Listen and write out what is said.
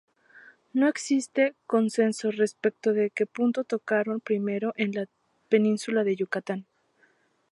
No existe consenso respecto de que punto tocaron primero en la península de Yucatán.